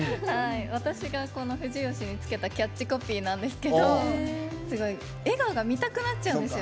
私が藤吉に付けたキャッチコピーなんですけど笑顔が見たくなるんですよ。